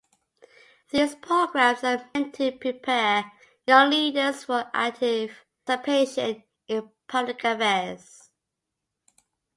These programs are meant to prepare young leaders for active participation in public affairs.